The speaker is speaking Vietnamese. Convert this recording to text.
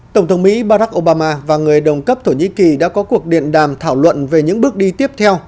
tổng thống mỹ barack obama và người đồng cấp thổ nhĩ kỳ đã có cuộc điện đàm thảo luận về những bước đi tiếp theo